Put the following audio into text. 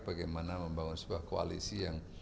bagaimana membangun sebuah koalisi yang